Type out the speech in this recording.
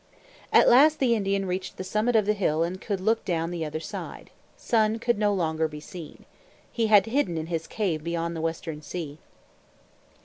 At last the Indian reached the summit of the hill and could look down the other side. Sun could no longer be seen. He had hidden in his cave beyond the Western Sea.